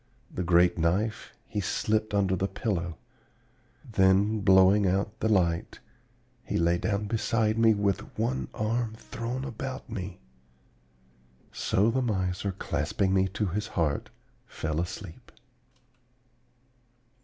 The great knife he slipped under the pillow. Then, blowing out the light, he lay down beside me with one arm thrown about me. So the miser, clasping me to his heart, fell asleep.